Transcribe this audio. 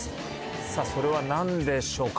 さぁそれは何でしょうか？